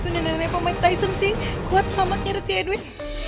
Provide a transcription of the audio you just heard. itu nenek nenek pemain tyson sih kuat amat nyaret si edwin